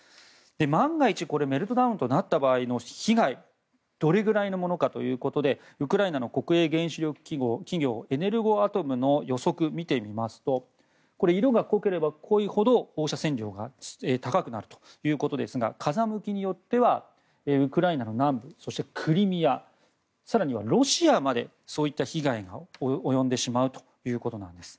万が一メルトダウンとなった場合の被害どれぐらいのものかということでウクライナの国営原子力企業エネルゴアトムの予測を見てみますと色が濃ければ濃いほど放射線量が高くなるということですが風向きによってはウクライナの南部、クリミア更にはロシアまでそういった被害が及んでしまうということなんです。